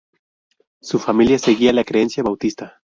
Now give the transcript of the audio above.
Su familia seguía la creencia bautista.